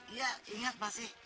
iya ingat masih